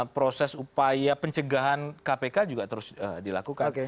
proses upaya pencegahan kpk juga terus dilakukan